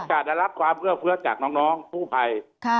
อาจจะได้รับความเอื้อเฟื้อจากน้องกู้ภัย